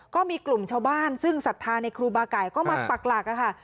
ก็มีกลุ่มชาวบ้านซึ่งศรัทธาในครูบาไก่ก็มาปักหลักค่ะ